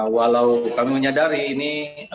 walau kami menyadari ini